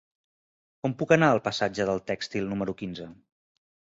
Com puc anar al passatge del Tèxtil número quinze?